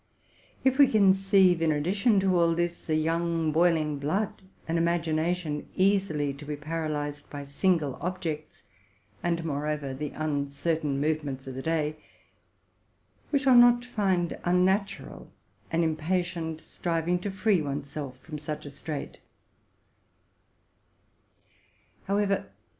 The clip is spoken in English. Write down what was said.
If we conceive, in addition to all this, young, boiling blood, an imagination easily to be paralyzed by single objects, and, moreover, the uncertain movements of the day, we shall not find unnatural an impatient striving to free one's self from such a strait.